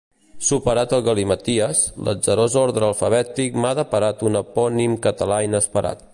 Superat el galimaties, l'atzarós ordre alfabètic m'ha deparat un epònim català inesperat.